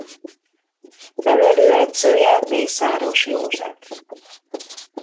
Nevelőedzője Mészáros József.